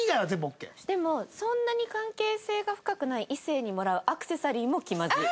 でもそんなに関係性が深くない異性にもらうアクセサリーも気まずい。